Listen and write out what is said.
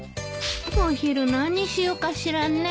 お昼何にしようかしらね。